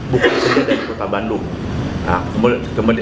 bukan saja dari kota bandung